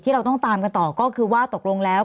เราต้องตามกันต่อก็คือว่าตกลงแล้ว